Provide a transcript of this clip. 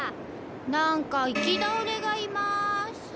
なんか行き倒れがいまーす。